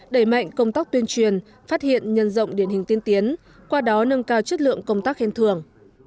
đẩy mạnh công tác tuyên truyền phát hiện nhân rộng điển hình tiên tiến qua đó nâng cao chất lượng công tác khen thưởng